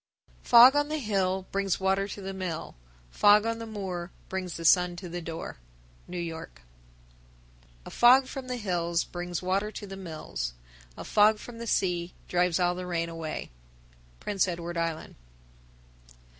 _ 1011. Fog on the hill Brings water to the mill. Fog on the moor Brings the sun to the door. New York. 1012. A fog from the hills Brings water to the mills. A fog from the sea Drives all the rain away. _Prince Edward Island.